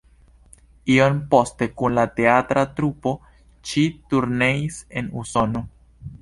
Iom poste kun la teatra trupo ŝi turneis en Usono.